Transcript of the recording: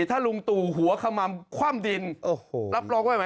ถ้าลูงตู่หัวขมัมคว่ำดินรับรองไหม